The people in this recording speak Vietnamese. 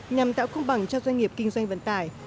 nhằm tạo công bằng cho doanh nghiệp kinh doanh vận tải